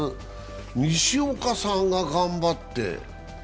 西岡さんが頑張って。